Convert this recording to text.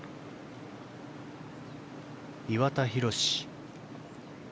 岩田寛